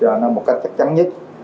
rồi nó một cách chắc chắn nhất